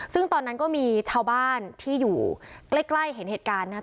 ซึ่งตอนนั้นก็มีชาวบ้านที่อยู่ใกล้เห็นเหตุการณ์นะครับ